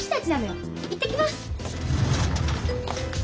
行ってきます！